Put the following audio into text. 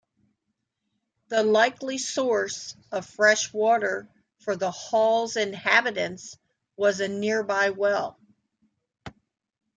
The likely source of fresh water for the hall's inhabitants was a nearby well.